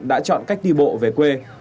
và chọn cách đi bộ về quê